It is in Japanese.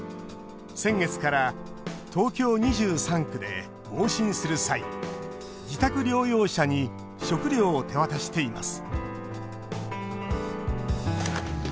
先月から東京２３区で往診する際自宅療養者に食料を手渡しています